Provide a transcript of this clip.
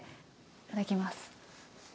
いただきます。